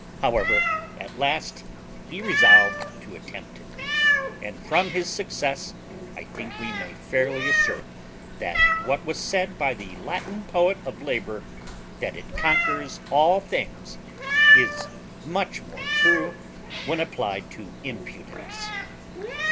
However, at last he resolved to attempt it, and from his success I think we may fairly assert that what was said by the Latin poet of labour, that it conquers all things, is much more true when applied to impudence.